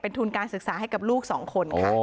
เป็นทุนการศึกษาให้กับลูก๒คน